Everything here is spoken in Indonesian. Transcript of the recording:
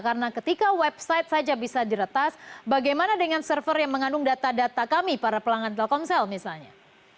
karena ketika website saja bisa diretas bagaimana dengan server yang mengandung data data kami para pelanggan telkomsel misalnya